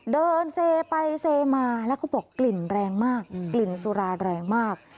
เดินเซไปเซมาแล้วเขาบอกกลิ่นแรงมากกลิ่นสุราแรงมาก